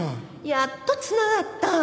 「やっと繋がった！」